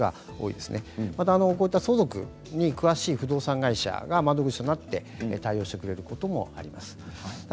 また相続に詳しい不動産会社が窓口になって対応してくれることもあります。